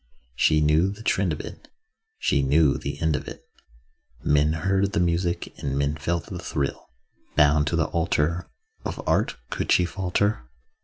She knew the trend of it, She knew the end of it— Men heard the music and men felt the thrill. Bound to the altar Of art, could she falter?